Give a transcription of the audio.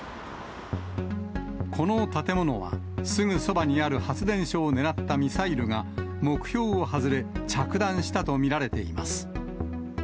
この建物は、すぐそばにある発電所を狙ったミサイルが、目標を外れ、着弾したと見られています。